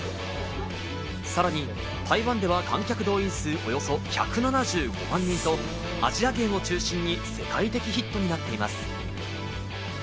さらに台湾では観客動員数およそ１７５万人と、アジア圏を中心に世界的ヒットになっています。